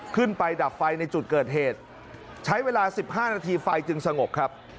ขึ้นไปดับไฟในจุดเกิดเหตุใช้เวลาสิบห้านาทีไฟจึงสงบครับ